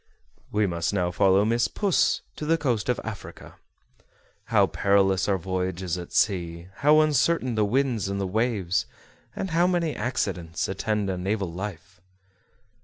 We must now follow Miss Puss to the coast of Africa. How perilous are voyages at sea, how uncertain the winds and the waves, and how many accidents attend a naval life!